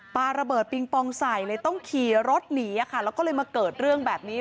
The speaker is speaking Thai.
ปลาระเบิดปิงปองใส่เลยต้องขี่รถหนีแล้วก็เลยมาเกิดเรื่องแบบนี้